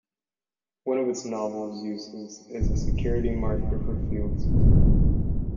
One of its novel uses is a security marker for fuels.